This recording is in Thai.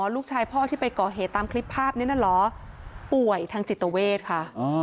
ลูกชายพ่อที่ไปก่อเหตุตามคลิปภาพนี้นั่นเหรอป่วยทางจิตเวทค่ะ